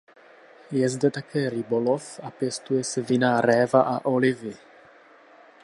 Je zde také rybolov a pěstuje se vinná réva a olivy.